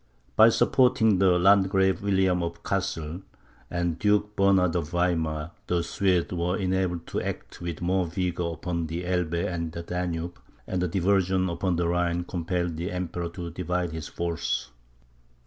By supporting the Landgrave William of Cassel, and Duke Bernard of Weimar, the Swedes were enabled to act with more vigour upon the Elbe and the Danube, and a diversion upon the Rhine compelled the Emperor to divide his force.